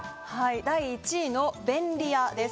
第１位のべんり屋です。